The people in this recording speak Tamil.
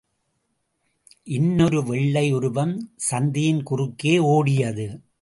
இன்னொரு வெள்ளை உருவம் சந்தியின் குறுக்கே ஓடியது.